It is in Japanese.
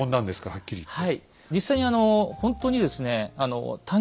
はっきり言って。